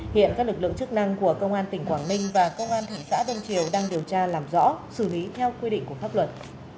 hiện các lực lượng chức năng của công an tỉnh quảng ninh và công an thị xã đông triều đang điều tra làm rõ xử lý theo quy định của pháp luật